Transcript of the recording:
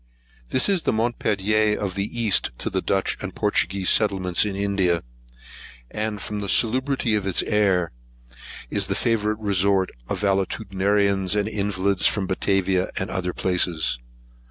THIS is the Montpelier of the East to the Dutch and Portuguese settlements in India; and, from the salubrity of its air, is the favourite resort of valetudinarians and invalids from Batavia and other places.